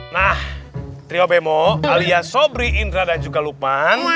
nah trio bemo alias sobri indra dan juga lupan